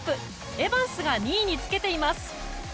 エバンスが２位につけています。